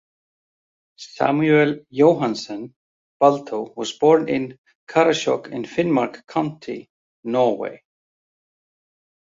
Samuel Johannesen Balto was born in Karasjok in Finnmark county, Norway.